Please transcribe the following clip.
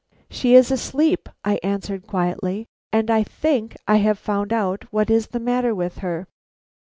"She is asleep," I answered quietly, "and I think I have found out what is the matter with her."